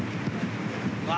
うわ！